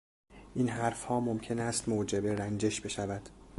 این حرفها ممکن است موجب رنجش بشود.